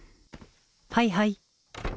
はいはい。